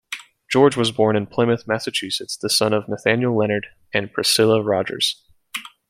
George was born in Plymouth, Massachusetts, the son of Nathaniel Leonard and Priscilla Rogers.